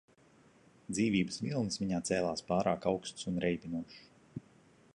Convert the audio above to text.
Dzīvības vilnis viņā cēlās pārāk augsts un reibinošs.